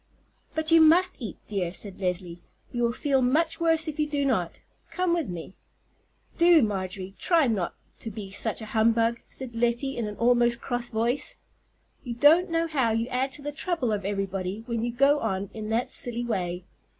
"But you must eat, dear," said Leslie; "you will feel much worse if you do not. Come with me." "Do, Marjorie, try not to be such a humbug," said Lettie in an almost cross voice. "You don't know how you add to the trouble of everybody when you go on in that silly way.